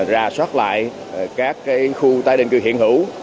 ra soát lại các khu tái định cư hiện hữu